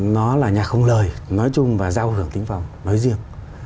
nó là nhà không lời nói chung và giao hưởng tính phòng nói riêng